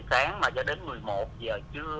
từ bảy h sáng mà cho đến một mươi một h trưa